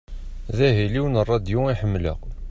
D ahil-iw n ṛadyu i ḥemleɣ.